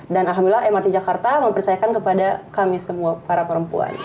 dan alhamdulillah mrt jakarta mempercayakan kepada kami semua para perempuan